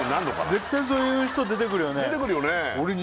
絶対そういう人出てくるよね出てくるよね